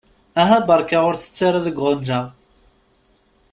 Aha beṛka ur tett ara deg uɣenǧa.